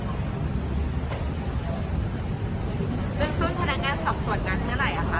เรื่องที่คือทนการสอบสวนนั้นเมื่อไหร่อ่ะคะ